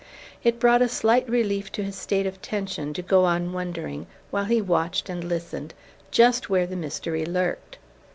It brought a slight relief to his state of tension to go on wondering, while he watched and listened, just where the mystery lurked.